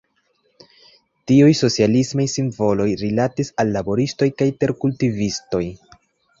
Tiuj socialismaj simboloj rilatis al laboristoj kaj terkultivistoj.